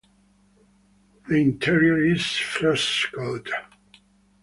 The interior is frescoed.